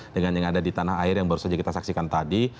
dengan yang ada di tanah air yang baru saja kita saksikan tadi